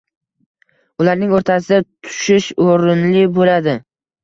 ularning o‘rtasiga tushish o‘rinli bo‘ladi.